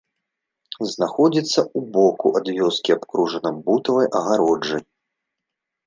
Знаходзіцца ў боку ад вёскі, абкружана бутавай агароджай.